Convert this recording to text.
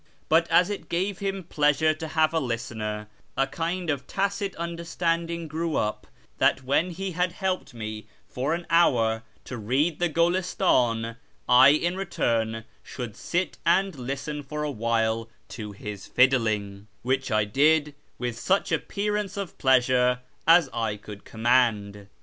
But as it gave him pleasure to have a listener, a kind of tacit iTuderstanding grew up that when he had helped me for an hour to read the Gulistdn, I in return should sit and listen for a while to his fiddling, which I did with such appearance of pleasure as I could command.